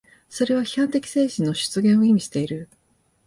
それは批判的精神の出現を意味している。